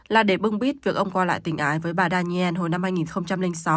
là để bưng bít việc ông qua lại tình ái với bà daniel hồi năm hai nghìn sáu